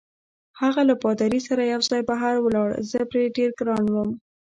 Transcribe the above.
هغه له پادري سره یوځای بهر ولاړ، زه پرې ډېر ګران وم.